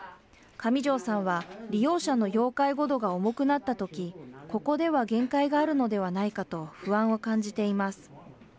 上條さんは利用者の要介護度が重くなったとき、ここでは限界があるのではないかと、不安を感じています。